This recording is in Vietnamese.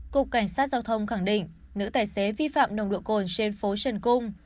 cục cảnh sát giao thông khẳng định nữ tài xế vi phạm nồng độ cồn trên phố trần cung